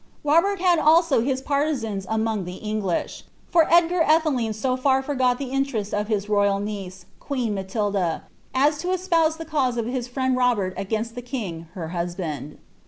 Robert had also his partisans among the English ; for Edgar Atheling so far forgot the interests of his royal niece, queen Matilda, as to espouse the cause of his fnend Robert against the king her husband.